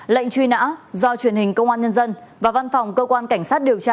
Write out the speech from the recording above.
lệnh truy nã do truyền hình công an nhân dân và văn phòng cơ quan cảnh sát điều tra